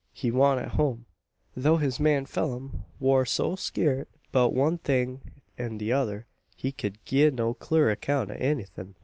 He wan't at home, though his man Pheelum war; so skeeart 'beout one thing an the tother he ked gie no clur account o' anythin'.